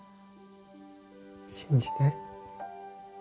信じて